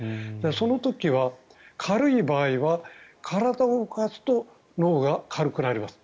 その時は軽い場合は体を動かすと脳が軽くなります。